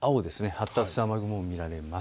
発達した雨雲が見られます。